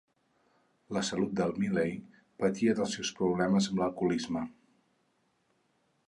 La salut de Miley patia dels seus problemes amb l'alcoholisme.